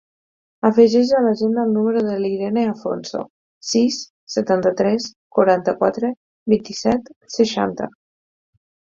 Afegeix a l'agenda el número de l'Irene Afonso: sis, setanta-tres, quaranta-quatre, vint-i-set, seixanta.